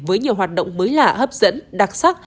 với nhiều hoạt động mới lạ hấp dẫn đặc sắc